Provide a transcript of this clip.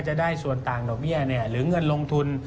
จะได้ส่วนต่างดอกเบี้ยหรือเงินลงทุน